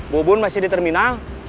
bobon masih di terminal